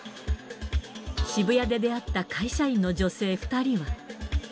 渋谷で出会った会社員の女性２人は。